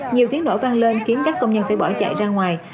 nhiều tiếng nổ vang lên khiến các công nhân phải bỏ chạy ra ngoài